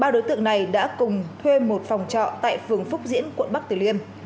ba đối tượng này đã cùng thuê một phòng trọ tại phường phúc diễn quận bắc tử liêm